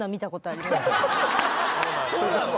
そうなの？